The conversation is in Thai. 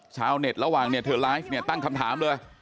ชาวเน็ตระหว่างเนี่ยเธอไลฟ์เนี่ยตั้งคำถามเลย